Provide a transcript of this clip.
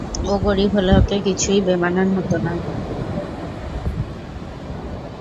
ও গরিব হলে ওকে কিছুই বেমানান হত না।